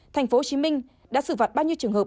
thành phố hồ chí minh đã xử phạt bao nhiêu trường hợp